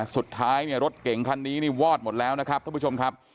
สุดท้ายเนี่ยรถเก่งคันนี้นี่วอดหมดแล้วนะครับท่านผู้ชมครับ